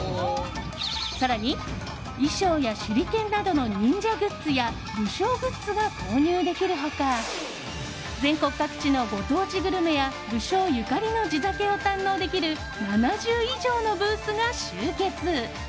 更に、衣装や手裏剣などの忍者グッズや武将グッズが購入できる他全国各地のご当地グルメや武将ゆかりの地酒を堪能できる７０以上のブースが集結。